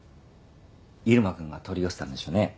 入間君が取り寄せたんでしょうね。